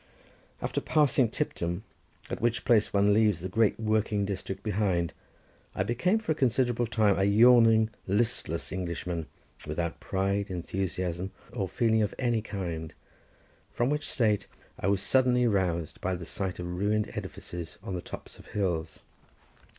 After passing Tipton, at which place one leaves the great working district behind, I became for a considerable time a yawning, listless Englishman, without pride, enthusiasm or feeling of any kind, from which state I was suddenly roused by the sight of ruined edifices on the tops of hills.